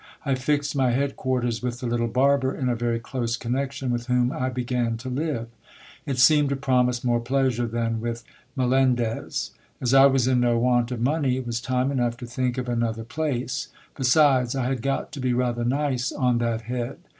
I fixed my head quarters with the little barber, in a very close connection with whom I began to live. It seemed to promise more pleasure than with Melen dez. As I was in no want of money, it was time enough to think of another place : besides, I had got to be rather nice on that head.